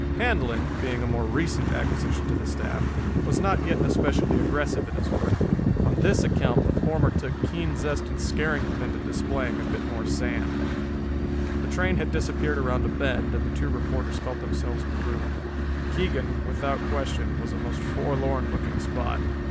Handlon, being a more recent acquisition to the staff, was not yet especially aggressive in his work. On this account the former took keen zest in scaring him into displaying a bit more sand. The train had disappeared around a bend and the two reporters felt themselves marooned. Keegan, without question, was a most forlorn looking spot.